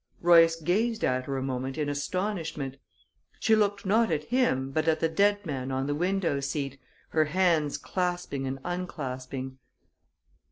Royce gazed at her a moment in astonishment. She looked not at him, but at the dead man on the window seat, her hands clasping and unclasping.